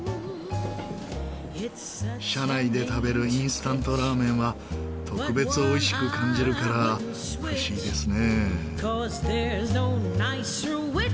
車内で食べるインスタントラーメンは特別おいしく感じるから不思議ですね。